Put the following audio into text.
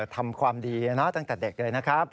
ทำความดีตั้งแต่เด็กเลยนะครับ